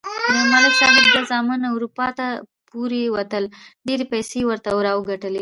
د ملک صاحب دوه زامن اروپا ته پورې وتل. ډېرې پیسې یې ورته راوگټلې.